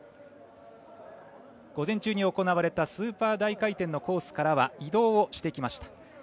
午前中に行われたスーパー大回転のコースからは移動をしてきました。